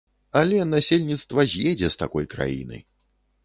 Але насельніцтва з'едзе з такой краіны.